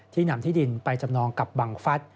นำที่ดินไปจำนองกับบังฟัฐ